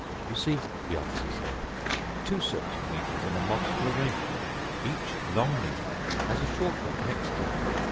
"You see," the Officer said, "two sorts of needles in a multiple arrangement. Each long needle has a short one next to it.